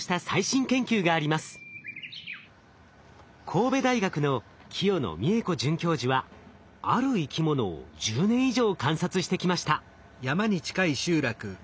神戸大学の清野未恵子准教授はある生き物を１０年以上観察してきました。